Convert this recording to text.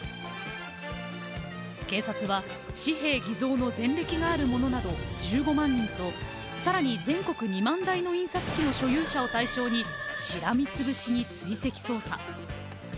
警察は紙幣偽造の前歴がある者など１５万人とさらに全国２万台の印刷機の所有者を対象にしらみつぶしに追跡捜査。